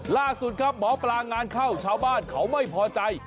ล่าสุดครับหมอปลางานเข้าชาวบ้านเขาไม่พอใจ